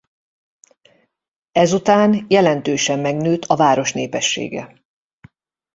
Ezután jelentősen megnőtt a város népessége.